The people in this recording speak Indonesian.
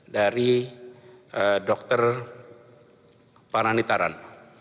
dari dokter paranitaran